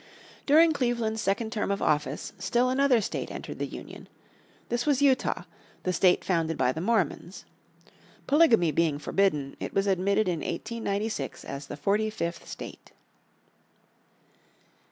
During Cleveland's second term of office still another state entered the Union. This was Utah, the state founded by the Mormons. Polygamy being forbidden, it was admitted in 1896 as the forty fifth state.